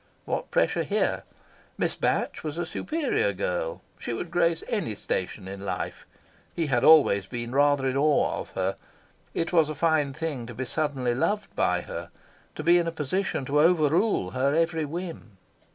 What pressure here? Miss Batch was a superior girl; she would grace any station in life. He had always been rather in awe of her. It was a fine thing to be suddenly loved by her, to be in a position to over rule her every whim.